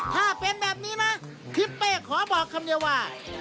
ถ้าเป็นแบบนี้นะทิศเป้ขอบอกคำเดียวว่า